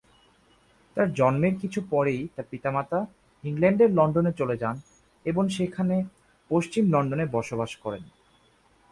তার জন্মের কিছু পরেই তার পিতামাতা ইংল্যান্ডের লন্ডনে চলে যান এবং সেখানে পশ্চিম লন্ডনে বসবাস করেন।